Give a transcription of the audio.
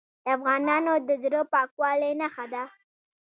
د افغانانو د زړه پاکوالي نښه ده.